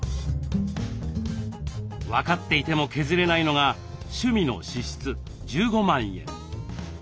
分かっていても削れないのが趣味の支出１５万円。